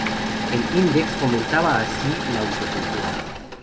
El "Index" fomentaba así la autocensura.